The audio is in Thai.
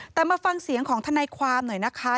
แต่มาฟังเสียงของทนายความหน่อยนะคะ